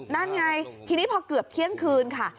นั่นไงทีนี้พอเกือบเที่ยงคืนค่ะ